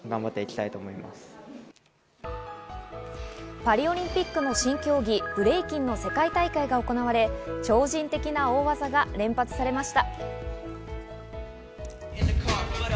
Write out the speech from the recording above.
パリオリンピックの新競技・ブレイキンの世界大会が行われ、超人的な大技が連発されました。